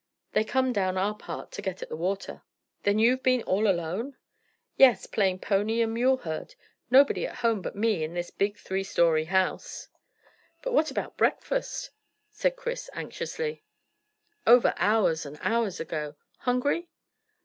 They come down our part to get at the water." "Then you've been all alone?" "Yes, playing pony and mule herd. Nobody at home but me in this big three storey house." "But what about breakfast?" said Chris anxiously. "Over hours and hours ago. Hungry?"